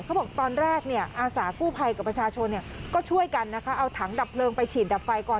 เขาบอกตอนแรกเนี่ยอาสากู้ภัยกับประชาชนก็ช่วยกันนะคะเอาถังดับเพลิงไปฉีดดับไฟก่อน